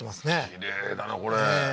きれいだなこれええ